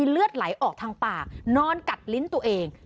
เลือดไหลออกทางปากนอนกัดลิ้นตัวเอง